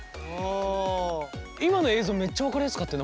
今の映像めっちゃ分かりやすかったよね。